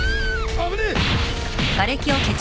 危ねえ！